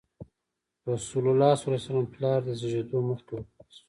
رسول الله ﷺ پلار د زېږېدو مخکې وفات شو.